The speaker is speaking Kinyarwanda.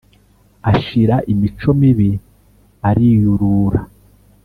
ashira imico mibi ariyurura